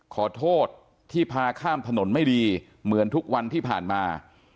ขอโทษที่พาข้ามถนนไม่ดีเหมือนทุกวันที่ผ่านมา